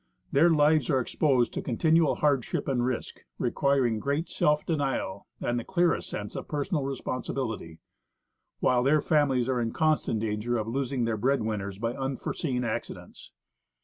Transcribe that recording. Their lives are exposed to con tinual hardship and risk, requiring o[reat self denial and the clearest sense of personal responsibility ; while their families are in constant danger of losing their bread winners by unforeseen accidents.